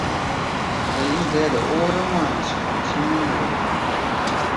Hy is der de oare moarns om tsien oere.